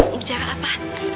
mau bicara apa